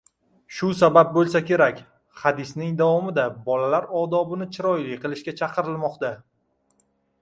Shu sabab bo‘lsa kerak, hadisning davomida bolalar odobini chiroyli qilishga chaqirilmoqda